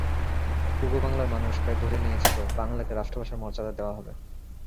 পূর্ব বাংলার মানুষ প্রায় ধরেই নিয়েছিল বাংলাকে রাষ্ট্রভাষার মর্যাদা দেওয়া হবে।